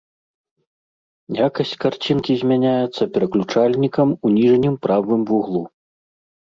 Якасць карцінкі змяняецца пераключальнікам у ніжнім правым вуглу.